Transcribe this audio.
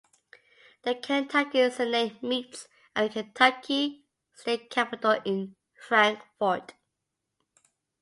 The Kentucky Senate meets at the Kentucky State Capitol in Frankfort.